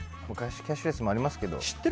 キャッシュレスもありますけど。